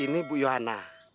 ini bu yohana